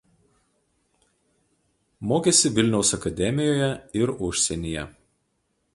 Mokėsi Vilniaus akademijoje ir užsienyje.